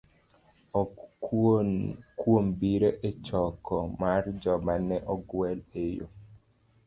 Ok kuom biro e choko mar joma ne ogwel, ooyo.